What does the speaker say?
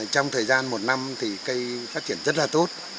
trong thời gian một năm thì cây phát triển rất là tốt